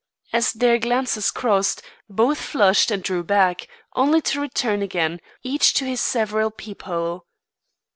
As their glances crossed, both flushed and drew back, only to return again, each to his several peep hole.